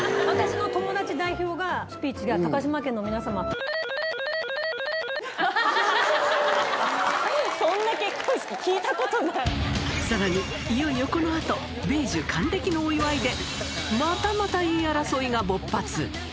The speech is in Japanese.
私の友達代表が、スピーチで高嶋そんな結婚式、聞いたことなさらに、いよいよこのあと、米寿、還暦のお祝いでまたまた言い争いが勃発。